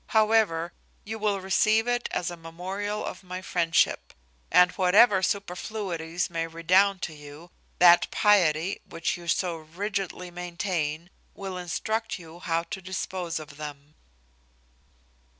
However, you will receive it as a memorial of my friendship; and whatever superfluities may redound to you, that piety which you so rigidly maintain will instruct you how to dispose of them.